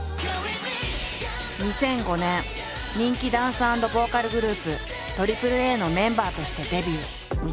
２００５年人気ダンス＆ボーカルグループＡＡＡのメンバーとしてデビュー。